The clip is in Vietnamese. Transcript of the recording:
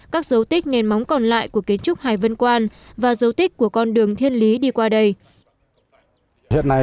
các dấu tích nền móng còn lại của kiến trúc hải vân quan và dấu tích của con đường thiên lý đi qua đây